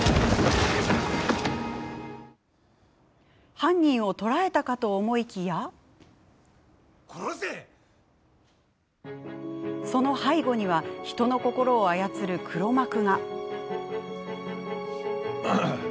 犯人を捕らえたかと思いきやその背後には人の心を操る黒幕が。